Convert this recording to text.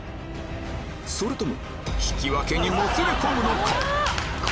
それとも引き分けにもつれ込むのか？